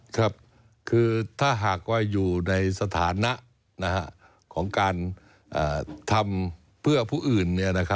ครับคือถ้าหากว่าอยู่ในสถานะของการทำเพื่อผู้อื่น